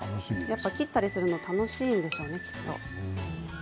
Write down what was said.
やっぱり切ったりするのが楽しいんでしょうね。